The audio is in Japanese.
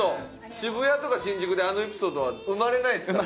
渋谷とか新宿であのエピソードは生まれないですから。